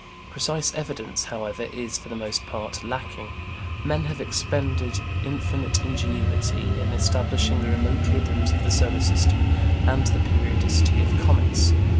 Precise evidence, however, is, for the most part, lacking. Men have expended infinite ingenuity in establishing the remote rhythms of the solar system and the periodicity of comets.